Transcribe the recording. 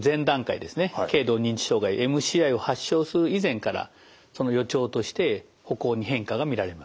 軽度認知障害ＭＣＩを発症する以前からその予兆として歩行に変化が見られます。